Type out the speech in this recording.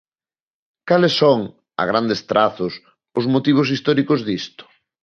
Cales son, a grandes trazos, os motivos históricos disto?